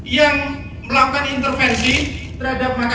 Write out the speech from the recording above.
yang melakukan intervensi terhadap masyarakat